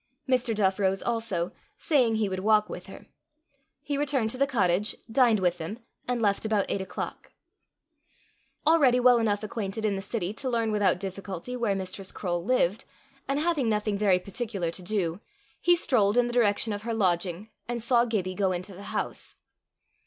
Mr. Duff rose also, saying he would walk with her. He returned to the cottage, dined with them, and left about eight o'clock. Already well enough acquainted in the city to learn without difficulty where Mistress Croale lived, and having nothing very particular to do, he strolled in the direction of her lodging, and saw Gibbie go into the house.